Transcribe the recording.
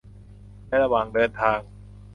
ในระหว่างเดินทาง